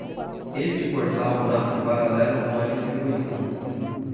Este portal nasce em paralelo com a distribuição.